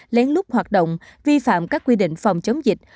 lén lút hoạt động vi phạm các quy định phòng chống dịch